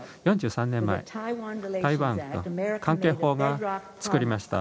４３年前台湾関係法を作りました。